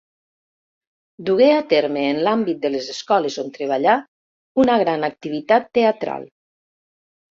Dugué a terme, en l'àmbit de les escoles on treballà, una gran activitat teatral.